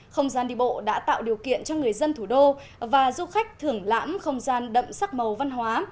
không gian đi bộ đã tạo điều kiện cho người dân thủ đô và du khách thưởng lãm không gian đậm sắc màu văn hóa